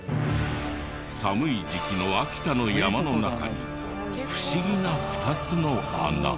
寒い時期の秋田の山の中に不思議な２つの穴。